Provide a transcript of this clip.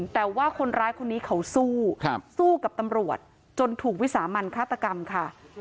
แต่ว่าคนร้ายคนนี้เขาสู้สู้กับตำรวจจนถูกวิสามันฆาตกรรมค่ะ